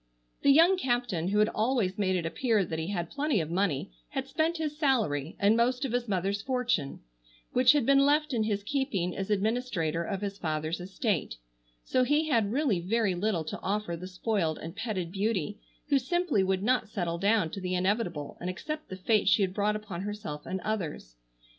The young captain, who had always made it appear that he had plenty of money, had spent his salary, and most of his mother's fortune, which had been left in his keeping as administrator of his father's estate; so he had really very little to offer the spoiled and petted beauty, who simply would not settle down to the inevitable and accept the fate she had brought upon herself and others.